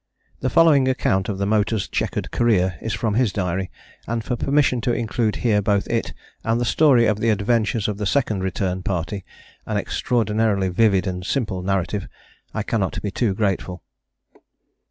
The following account of the motors' chequered career is from his diary, and for permission to include here both it and the story of the adventures of the Second Return Party, an extraordinarily vivid and simple narrative, I cannot be too grateful.